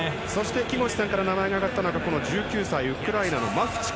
木越さんから名前が挙がったのが１９歳、ウクライナのマフチフ。